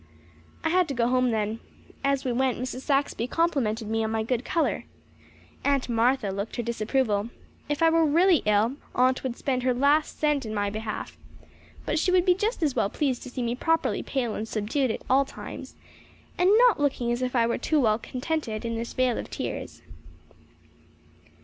I had to go home then. As we went Mrs. Saxby complimented me on my good colour. Aunt Martha looked her disapproval. If I were really ill Aunt would spend her last cent in my behalf, but she would be just as well pleased to see me properly pale and subdued at all times, and not looking as if I were too well contented in this vale of tears.